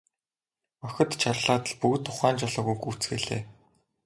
Охид чарлаад л бүгд ухаан жолоогүй гүйцгээлээ.